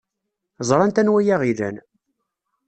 Ẓrant anwa ay aɣ-ilan.